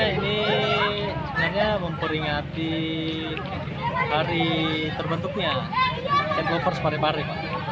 ini sebenarnya memperingati hari terbentuknya cat lovers parepare